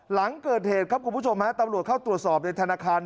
หลังเกิดเหตุครับคุณผู้ชมฮะตำรวจเข้าตรวจสอบในธนาคาร